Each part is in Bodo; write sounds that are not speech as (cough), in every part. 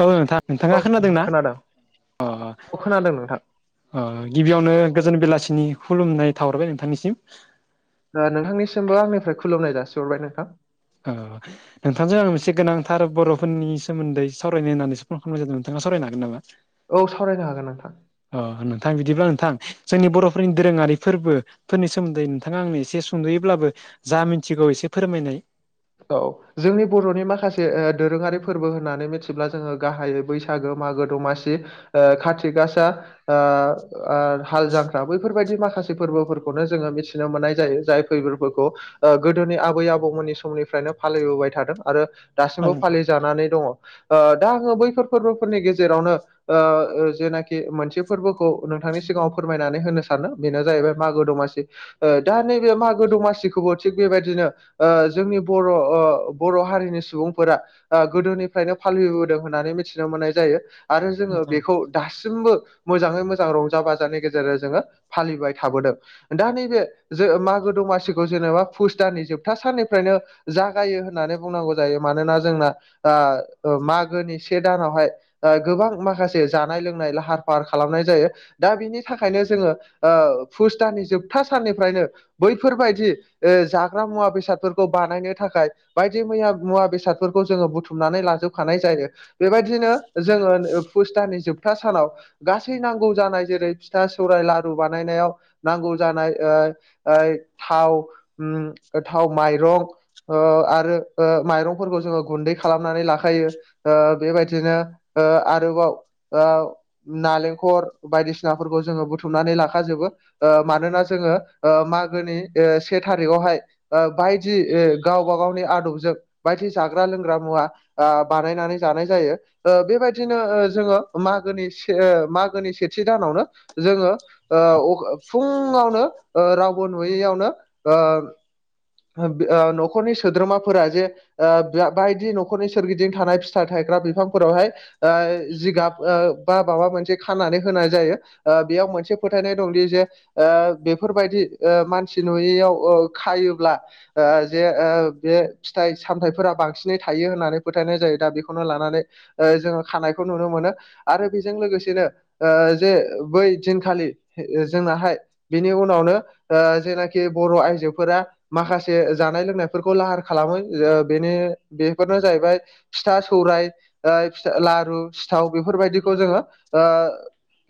औ नोंथां। नोंथाङा औ खोनादोंना? खोनादों अ। औ खोनादों नोंथां अ गिबियावनो गोजोन बेलासिनि खुलुमनाय थाहरबाय नोंथांनिसिम। दा नोंथांनिसिमबो आंनिफ्राय खुलुमनाय जासिहरबाय नोंथां। ओ नोंथांजों आं मोनसे गोनांथार बर'फोरनि सोमोन्दै सावरायनो होननानैसो फन खालामनाय जादों। नोंथाङा सावरायनो हागोन नामा? औ सावरायनो हागोन नोंथां। अ नोंथां। बिदिब्ला नोंथां जोंनि बर'फोरनि दोरोङारि फोरबो फोरनि सोमोन्दै नोंथाङा आंनो एसे सुंद'यैब्लाबो जा मिन्थिगौ एसे फोरमायनाय। औ। जोंनि बर'नि माखासे ओ दोरोङारि फोरबो होननानै मिथिब्ला जोङो गाहायै बैसागो, मागो, दमासि ओ खाथि गासा ओ ओ हाल जांख्रा बैफोरबायदि माखासे फोरबोफोरखौनो जोङो मिथिनो मोननाय जायो। जाय (unintelligible) फोरखौ ओ गोदोनि आबै आबौमोननि समनिफ्रायनो फालिबोबाय थादों आरो औ दासिमबो नोंथां फालि जानानै दङ। ओ दा आङो बैफोर फोरबोफोरनि गेजेरावनो ओ ओ जेनाखि मोनसे फोरबोखौ नोंथांनि सिगाङाव फोरमायनानै होनो सानो बेनो जाहैबाय मागो दमासि। ओ दा नैबे मागो दमासिखौबो थिग बेबायदिनो ओ जोंनि बर' अ बर' हारिनि सुबुंफोरा आ गोदोनिफ्रायनो फालिबोदों होननानै मिथिनो मोननाय जायो आरो जोङो नोंथां बेखौ दासिमबो मोजाङै मोजां रंजा बाजानि गेजेरजों जोङो फालिबाय थाबोदों। दा नैबे जो मागो दमासिखौ जेनेबा फुस दाननि जोबथा साननिफ्रायनो जागायो होननानै बुंनांगौ जायो। मानोना जोंना आ ओ मागोनि से दानावहाय ओ गोबां माखासे जानाय लोंनाय लाहार फाहार खालामनाय जायो। दा बिनि थाखायनो जोङो ओ फुस दाननि जोबथा साननिफ्रायनो बैफोरबायदि ओ जाग्रा मुवा बेसादफोरखौ बानायनो थाखाय बायदि मैया मुवा बेसादफोरखौ जोङो बुथुमनानै लाजोबखानाय जायो। बेबायदिनो जोङो ओन पुसताननि जोबथा सानाव गासै नांगौ जानाय जेरै फिथा सौरायाइ लारु बानायनायाव नांगौ जानाय ओ ओइ थाव उम थाव माइरं ओ आरो ओ माइरंफोरखौ जोङो गुन्दै खालामनानै लाखायो। ओ बेबायदिनो ओ आरोबाव ओ नालेंखर बायदिसिनाफोरखौ जोङो बुथुमनानै लाखाजोबो। ओ मानोना जोङो ओ मागोनि ओ से थारिखावहाय ओ बायदि ओ गावबा गावनि आदबजों बायदि जाग्रा लोंग्रा मुवा आ बानायनानै जानाय जायो। ओ बेबायदिनो ओ जोङो मागोनि से ओ मागोनि सेथि दानावनो जोङो ओ अख गओ फुङावनो ओ रावबो नुयैयावनो ओ बि ओ न' खरनि सोद्रोमाफोरा जे ओ बा-बायदि न'खरनि सोरगिदिं थानाय फिथाइ थायग्रा बिफांफोरावहाय ओ जिगाब ओ बा माबा मोनसे खानानै होनाय जायो। ओ बेयाव मोनसे फोथायनाय दंदि जे ओ बेफोरबायदि ओ मानसि नुयैयाव ओ खायोब्ला ओ जे ओ बे फिथाइ सामथायाइफोरा बांसिनै थायो होननानै फोथायनाय जायो। दा बेखौनो लानानै ओ जोङो खानायखौ नुनो मोनो आरो बेजों लोगोसेनो जे बै दिनखालि जोंनाहाय बिनि उनावनो जेनाखि बर' आइजोफोरा माखासे जानाय लोंनायफोरखौ लाहार खालामो बेनि बेफोरनो जाहैबाय फिथा सौराय फिथा लारु सिथाव बेफोरबायदिखौ जोङो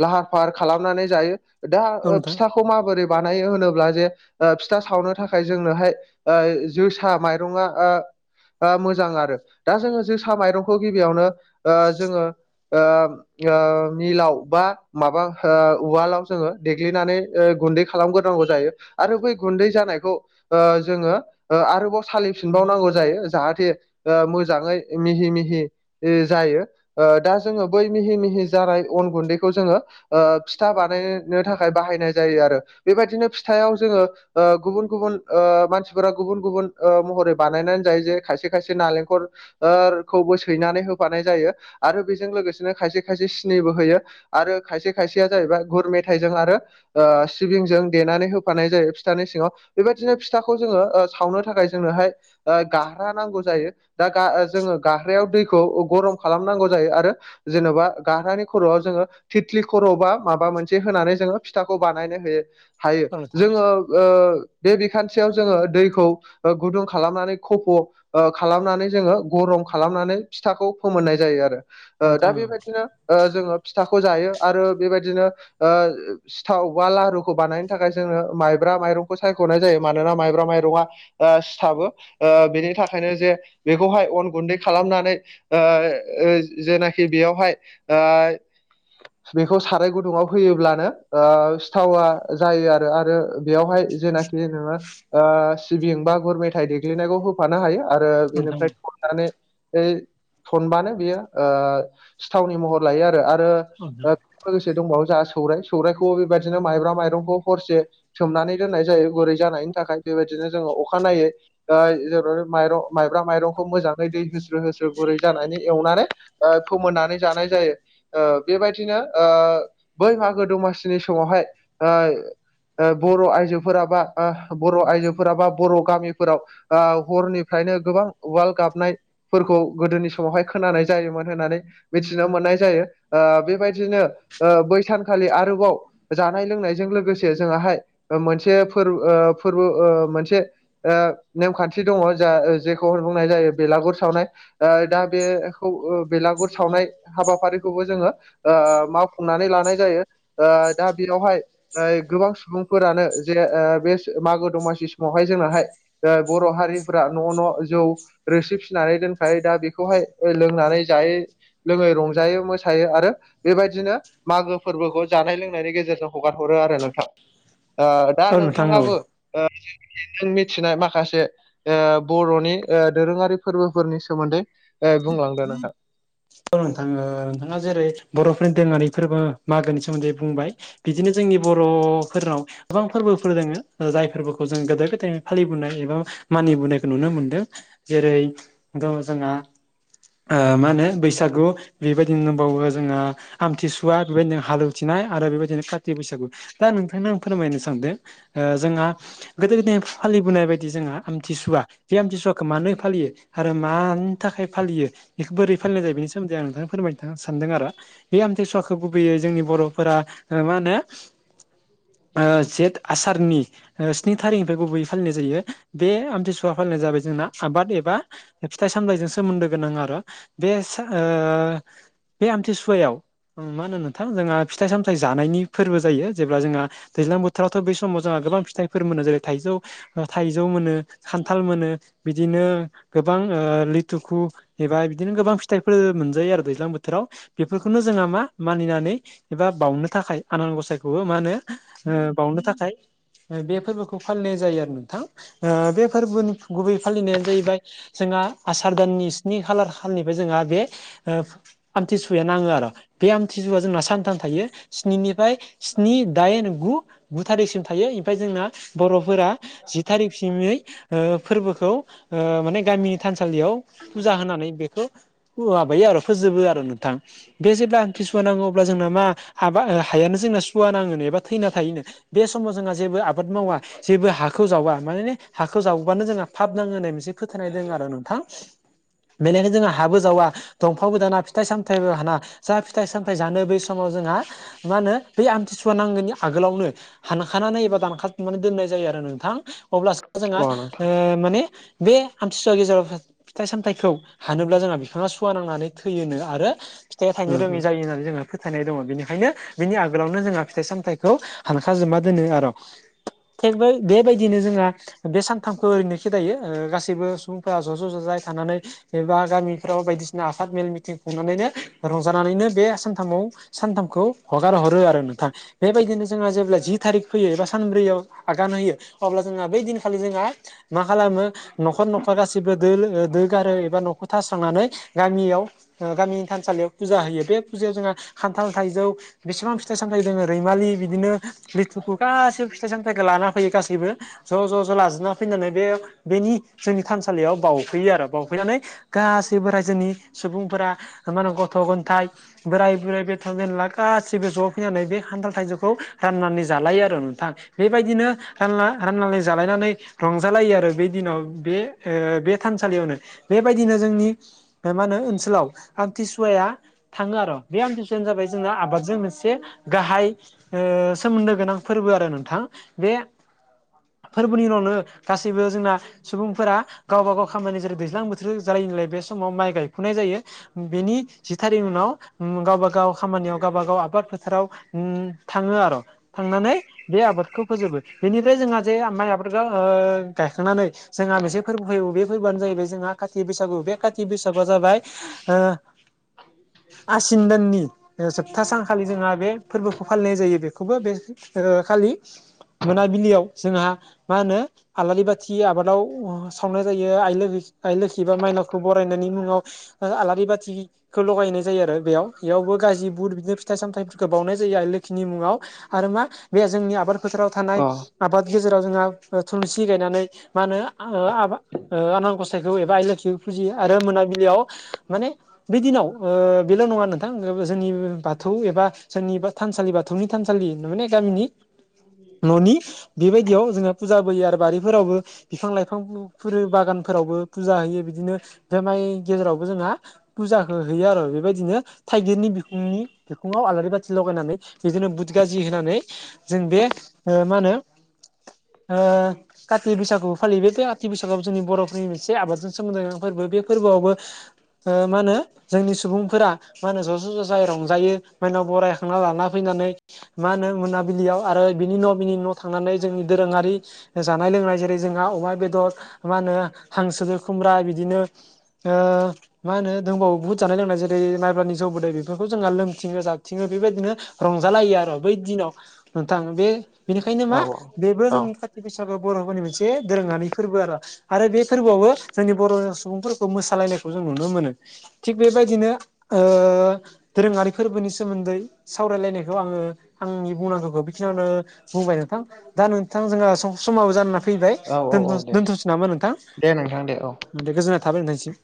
लाहार फाहार खालामनानै जायो दा औ नोंथां फिथाखौ माबोरै बानायो होनोब्ला जे फिथा सावनो थाखाय जोंनोहाय जोसा माइरङा मोजां आरो दा जोङो जोसा माइरंखौ गिबियावनो जोङो मिलाव बा माबा उवालाव जोङो देग्लिनानै गुन्दै खालामग्रोनांगौ जायो आरो बै गुन्दै जानायखौ जोङो आरोबाव सालिफिनबावनांगौ जायो जाहाथे मोजाङै मिहि मिहि जायो दा जोङो बै मिहि मिहि जाराय अन गुन्दैखौ जोङो फिथा बानायनो थाखाय बाहायनाय जायो आरो बेबायदिनो फिथायाव जोङो गुबुन गुबुन मान मानसिफोरा गुबुन गुबुन महरै बानायनानै जायो जे खायसे खायसे नालेंखर खौबो सैनानै होफानाय जायो आरो बेजों लोगोसेनो खायसे खायसे सिनिबो होयो आरो खायसे खायसेया जाहैबाय गुर मेथाइजों आरो सिबिंजों देनानै होफानाय जायो फिथानि सिङाव बेबायदिनो फिथाखौ खौ जोङो सावनो थाखाय जोंनोहाय गारहा नांगौ जायो दा गा जोङो गारहायाव दैखौ गरम खालामनांगौ जायो आरो जेन'बा गारहानि खर'आव जोङो थिथ्लि खर' बा माबा मोनसे होनानै जोङो फिथाखौ बानायनो होयो हायो औ नोंथां जोङो बे बिखानथि ससेयाव जोङो दैखौ गुदुं खालामनानै खफ' खालामनानै जोङो गरम खालामनानै फिथाखौ फोमोननाय जायो आरो औ नोंथां औ दा नोंथां औ बेबायदिनो जोङो फिथाखौ जायो आरो बेबायदिनो सिथाव बा लहारुखौ बानायनो थाखाय जोङो माइब्रा माइरंखौ सायख'नाय जायो मानोना माइब्रा माइरङा सिथाबो बेनि थाखायनो जे बेखौहाय अन गुन्दै खालामनानै जेनाखि बेयावहाय बेखौ साराय गुदुङाव होयोब्लानो सिथावा जायो आरो आरो बेयावहाय जेनाखि जेनबा सिबिं बा गुर मेथाइ देग्लिनायखौ होफानो हायो आरो बेनिफ्राय थननानै थनबानो बेयो सिथावनि महर लायो आरो आरो लोगोसे दंबावो जोंहा सौर सौराइखौबो बेबायदिनो माइब्रा माइरंखौ हरसे सोमनानै दोननाय जायो गुरै जानायनि थाखाय बेबायदिनो जोङो अखानायनायै ओ जोंङो माइरं माइब्रा माइरंखौ मोजाङै दै होस्रो होस्रो गुरै जानानि एवनानै फोमोननानै जानाय जायो बेबायदिनो बै मागो दमासिनि समावहाय बर' आइजोफोराबा बर' आइजोफोरा बा बर' गामिफोराव हरनिफ्रायनो गोबां उवाल गाबनाय फोरखौ गोदोनि समावहाय खोनानाय जायोमोन होननानै मिथिनो मोननाय जायो बेबायदिनो बै सानखालि आरोबाव जानाय लोंनायजों लोगोसे जोङाहाय मोनसे फोर फोरबो मोनसे नेमखान्थि दङ जा जेखौ बुंनाय जायो बेलागुर सावनाय दा बेखौ बेलागुर सावनाय हाबाफारिखौबो जोङो मावफुंनानै लानाय जायो दा बेयावहाय गोबां सुबुंफोरानो जे बे मागो दमासि समावहाय जोंनाहाय बर' हारिफोरा न' न' जौ रोसि फिसिनानै दोनखायो दा बेखौहाय लोंनानै जायै लोङै रंजायो मोसायो आरो बेबायदिनो मागो फोरबोखौ जानाय लोंनायनि गेजेरजों हगारहरो आरो नोंथां दा औ नोंथां औ नोंथाङाबो नों मिथिनाय माखासे बर'नि दोरोङारि फोरबोफोरनि सोमोन्दै बुंलांदों नोंथां औ नोंथां नोंथाङा जेरै बर'फोरनि दोरोङारि फोरबो मागोनि सोमोन्दै बुंबाय बिदिनो जोंनि बर'फोरनाव गोबां फोरबोफोर दोङो जाय फोरबोखौ जों गोदो गोदाय फालिबोनाय एबा मानिबोनायखौ नुनो मोनदों जेरै जोंहा मा होनो बैसागु बेबायदिनो दंबावो जोंहा आमथिसुवा बेबायदिनो हालेवथिनाय आरो बेबायदिनो कथि बैसागु दा नोंथांनो आं फोरमायनो सानदों जोंहा गोदो गोदाय फालिबोनाय बायदि जोंहा आमथिसुवा बे आमथिसुवाखौ मानो फालियो आरो मानि थाखाय फालियो इखौ बोरै फालिनाय जायो बेनि सोमोन्दै आं नोंथांनो फोरमायनो सानदों आरो बे आमथिसुवाखौ गुबैयै जोंनि बर'फोरा मा होनो जेद आसारनि स्नि थारिखनिफ्राय गुबैयै फालिनाय जायो बे आमथिसुवा फालिनाय जाबाय जोंना आबाद एबा फिथाइ सामथायजों सोमोन्दो गोनां आरो बे बे आमथिसुवायाव मा होनो नोंथां जोंहा फिथाइ सामथाइ जानायनि फोरबो जायो जेब्ला जोंहा दैज्लां बोथोरावथ' बे समाव जोंहा गोबां फिथाइफोर मोनो जेरै थाइजौ-थाइजौ मोनो खान्थाल मोनो बिदिनो गोबां ओ लिथुखु एबा बिदिनो गोबां फिथाइफोर मोनजायो आरो दैज्लां बोथोराव बेफोरखौनो जोंहा मा मानिनानै एबा बावनो थाखाय आनान गसायखौबो ओ मा होनो बावनो थाखाय बे फोरबोखौ फालिनाय जायो आरो नोंथां ओ बे फोरबोनि गुबै फालिनायानो जाहैबाय जोंहा आसार दाननि स्नि खालार खालि जोंहा बे आमथिसुवाया नाङो आरो बे आमथिसुवा जोंना सानथाम थायो स्निनिफ्राय स्नि दाइन गु गु थारिखसिम थायो इमफाय जोंना बर'फोरा जि थारिखसिमै फोरबोखौ माने गामिनि थानसालियाव फुजा होनानै बेखौ (unintelligible) बायो आरो फोजोबो आरो नोंथां बे जेब्ला आमथिसुवा नाङो अब्ला जोंना मा हाबा हायानो जोंना सुवा नाङोनो एबा थैना थायोनो बे समाव जोंहा जेबो आबाद मावा जेबो हाखौ जावा माने हाखौ जावोब्लानो जोंहा फाब नाङो होननाय मोनसे फोथायनाय दं आरो नोंथां बेनिखायनो जोंहा हाबो जावा दंफांबो दाना फिथाइ सामथाइबो हाना जा फिथाइ सामथाइ जानो बै समाव जोंहा मा होनो बे आमथिसुवा नांगोननि आगोलावनो हानखानानै एबा दानखाजुबनानै दोननाय जायो आरो नोंथां अब्लासो जोंहा अ ओ नोंथां माने बे आमथिसुवा गेजेराव फिथाइ सामथाइखौ हानो ब्ला जोंहा बिफाङा सुवा नांनानै थैयोनो आरो फिथाइया थायनो उम रोङै उम जायो होननानै जोङो फोथायनाय दङ' बेनिखायनो बिनि आगोलावनो जोंहा फिथाइ सामथाइखौ हानखाजोबा दोनो आर' थिग बै बे बेबायदिनो जोंहा बे सानथामखौ ओरैनो खेदायो गासैबो सुबुंफोरा ज' ज' ज'जाय थानानै एबा गामिफ्राव बायदिसिना आफाद मेल मिथिं खुंनानैनो रंजानानैनो बे सानथामाव सानथामखौ हगार हरो आरो नोंथां बेबायदिनो जोंहा जेब्ला जि थारिख फैयो एबा सानब्रैयाव आगान होयो अब्ला जोंहा बै दिनखालि जोंहा मा खालामो न'खर न'खर गासिबो दोल ओ दो गारो एबा न'खौ थास्रांनानै गामियाव जोंहा गामिनि थानसालियाव फुजा होयो बे फुजायाव जोंहा खान्थाल थाइजौ बेसिबां फिथाइ सामथाय दोङो रैमालि बिदिनो लिथुखौ गासिबो फिथाइ सामथाय खो लाना फैयो गासैबो ज' ज' ज' लाजोबना फैनानै बे बेनि जोंनि थानसालियाव बावफैयो आरो बाफैनानै गासैबो रायजोनि सुबुंफोरा मा होनो गथ' गथाइ बोराय बुरै बेथ' बेनला गासैबो ज' फैनानै बे खान्थाल थाइजौखौ राननानै जालायो आरो नोंथां बेबायदिनो रानना राननानै जालायनानै रंजा लायो आरो बे दिनाव बे ओ बे थानसालियावनो बे बिदिनो जोंनि मा होनो ओनसोलाव आमथिसुवाया थाङो आर' बे आमथिसुवा जाबाय जोंना आबादजों मोनसे गाहाय ओ सोमोन्दो गोनां फोरबो आरो नोंथां बे फोरबोनि उनावनो गासैबो जोंना सुबुंफोरा गावबा गाव खामानि जेरै दैज्लां बोथोर जालायो लोंलाय बे समाव माइ गायफुनाय जायो बेनि जि थारिख उनाव गावबा गाव खामानियाव गावबा गाव आबाद फो फोराव उम थाङो आर' थांनानै बे आबादखौ फोजोबो बेनिफ्राय जोंहा जे माइ आबादखौ ओ गायखांनानै जोंहा मोनसे फोरबो फोय' बे फोरबोआनो जाहैबाय जोंहा खाति बैसागु बे खाति बैसागुआ जाबाय ओ आसिन दाननि ओ जोबथा सानखालि जोंहा बे फोरबोखौ फालिनाय जायो बे खौबो बे खालि मोनाबिलियाव जोंहा मा होनो आलारि बाथि आबादाव सावनाय जायो आइ लो आइ लोखि बा माइनावखौ बरायनायनि मुङाव ओ आलारि बाथि खौ लगायनाय जायो आरो बेयाव इयावबो गाजि बुट बिदिनो फिथाइ सामथायफोरखौ बावनाय जायो आरो लोखिनि मुङाव आरो मा बे जोंनि आबाद फोथाराव थानाय अ आबाद गेजेराव जोंहा थुलुंसि गायनानै मा होनो आ ओ आबा ओ आनान गसा बेखौ एबा आइ लोक्षिखौ फुजियो आरो मोनाबिलियाव माने बे दिनाव ओ बेल' नङा नोंथां जोंनि बाथौ एबा जोंनि एबा थानसालि बाथौनि थानसालि माने गामिनि न'नि बेबायदियाव जोंहा फुजा बोयो आरो बारिफोरावबो बिफां लाइफांफोर‌ बागानफोरावबो फुजा होयो बिदिनो बे माइ गेजेरावबो जोंहा फुजाखौ होयो आरो बेबायदिनो थाइगिरनि बिखुंनि बिखुङाव आलारि बाथि लागायनानै बिदिनो बुद गाजि होनानै जों बे ओ मा होनो ओ काथि बैसागुबो फालियो बे खाथि बैसागुवाव जोंनि बर'फोरनि से आबादजों सोमोन्दो गोनां फोरबो बे फोरबोआवबो ओ मा होनो जोंनि सुबुंफोरा मा होनो ज' ज' जा जाजाय रंजायो माइनाव बरायखांना लाना फैनानै मा होनो मोनाबिलियाव आरो बिनि न' बिनि न'वाव थांनानै जों दोरोङारि जानाय लोंनाय जेरै जोंहा अमा बेदर मा होनो हांसोदो खुमब्रा बिदिनो ओ मा होनो दोंबावो बुहुत जानाय लोंनाय जेरै माइब्रानि जौ बिदै बेफोरखौ जोंहा लोंथिङो जाबथिङो बेबायदिनो रंजालायो आरो बै दिनाव नोंथां बे बेनिखायनो औ मा बेबो औ जोंनि काथि बे बैसागुआव बर'फोरनि मोनसे दोरोङारि फोरबो आरो आरो बे फोरबोआवबो जोंनि बर' सुबुंफोरखौ मोसालायनायखौ जों नुनो मोनो थिग बेबायदिनो ओ दोरोङारि फोरबोनि सोमोन्दै सावरायलायनायखौ आङो आंनि बुंनां खौ बेखिनियावनो बुंबाय नोंथां दा नोंथां जोहा सम समाबो जाना फैबाय औ औ औ दे दोनथ'सै नामा नोंथां? दे नोंथां दे औ दे गोजोननाय थाबाय नोंथांसिम